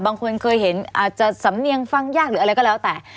บางคนเคยเห็นอาจจะสำเนียงฟังยากหรืออะไรก็แล้วแต่